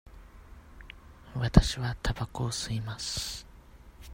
わたしはたばこを吸います。